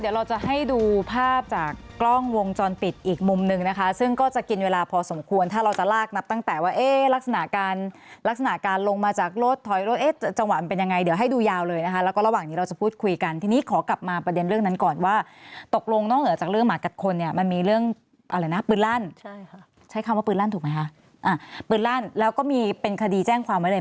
เดี๋ยวเราจะให้ดูภาพจากกล้องวงจรปิดอีกมุมหนึ่งนะคะซึ่งก็จะกินเวลาพอสมควรถ้าเราจะลากนับตั้งแต่ว่ารักษณะการลงมาจากรถถอยรถจังหวะมันเป็นยังไงเดี๋ยวให้ดูยาวเลยนะคะแล้วก็ระหว่างนี้เราจะพูดคุยกันทีนี้ขอกลับมาประเด็นเรื่องนั้นก่อนว่าตกลงนอกเหลือจากเรื่องหมากับคนเนี่ยมันมีเรื่องอะไรนะปืนร่านใช